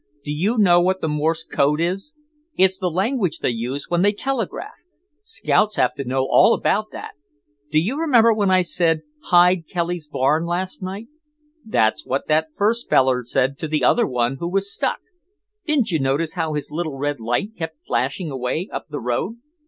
"Do you know what the Morse Code is? It's the language they use when they telegraph. Scouts have to know all about that. Do you remember when I said hide Kelly's barn last night? That's what that first feller said to the other one who was stuck. Didn't you notice how his little red light kept flashing away up the road?